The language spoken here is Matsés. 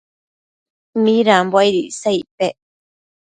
midambo aid icsa icpec ?